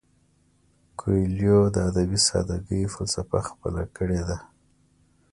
کویلیو د ادبي ساده ګۍ فلسفه خپله کړې ده.